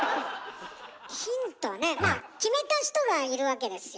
ヒントねまあ決めた人がいるわけですよ。